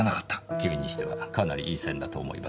君にしてはかなりいい線だと思います。